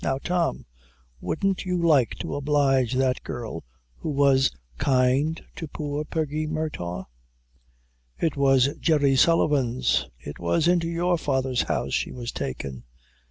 Now, Tom, wouldn't you like to oblige that girl who was kind to poor Peggy Murtagh?" "It was in Jerry Sullivan's it was into your father's house she was taken."